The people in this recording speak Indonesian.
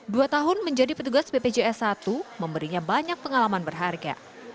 dua tahun menjadi petugas bpjs satu memberinya banyak pengalaman berharga